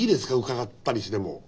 伺ったりしても。